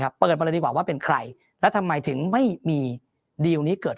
เปิดมาเลยดีกว่าว่าเป็นใครแล้วทำไมถึงไม่มีดีลนี้เกิด